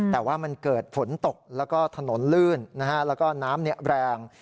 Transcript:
แต่ว่ามันเกิดฝนตกแล้วก็ถนนลื่นแล้วก็น้ำแรง